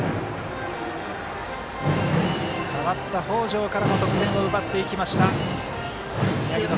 変わった北條からも得点を奪っていきました。